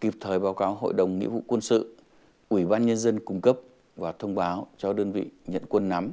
kịp thời báo cáo hội đồng nghĩa vụ quân sự ủy ban nhân dân cung cấp và thông báo cho đơn vị nhận quân nắm